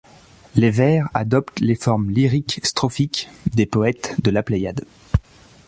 Les Vers adoptent les formes lyriques strophiques des poètes de la Pléiade.